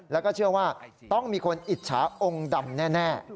แล้วก็เชื่อว่าต้องมีคนอิจฉาองค์ดำแน่